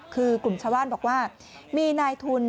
คือกลุ่มชาวบ้านบอกว่ามีนายทุน